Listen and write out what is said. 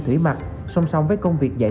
thủy mặt song song với công việc dạy